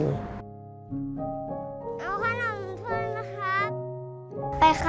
เอาขนมช่วยมั้ยคะ